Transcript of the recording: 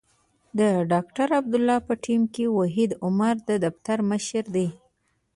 د ډاکټر عبدالله په ټیم کې وحید عمر د دفتر مشر دی.